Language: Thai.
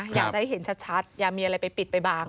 อยากจะให้เห็นชัดอย่ามีอะไรไปปิดไปบาง